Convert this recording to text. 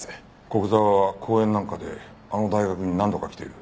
古久沢は講演なんかであの大学に何度か来てる。